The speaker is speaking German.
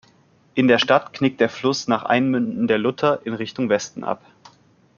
In der Stadt knickt der Fluss nach Einmünden der Lutter in Richtung Westen ab.